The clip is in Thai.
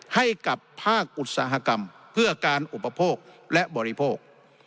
ให้กับภาคอุตสาหกรรมเพื่อการอุปโภคและบริโภค